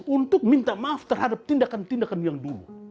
untuk minta maaf terhadap tindakan tindakan yang dulu